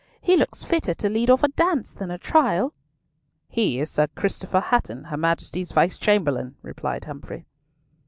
He looks fitter to lead off a dance than a trial." "He is Sir Christopher Hatton, her Majesty's Vice Chamberlain," replied Humfrey.